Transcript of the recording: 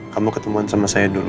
kamu ketemuan sama saya dulu